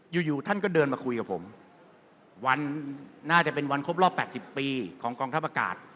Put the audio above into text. อยู่อยู่ท่านก็เดินมาคุยกับผมวันน่าจะเป็นวันครบรอบ๘๐ปีของกองทัพอากาศ